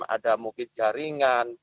ada mungkin jaringan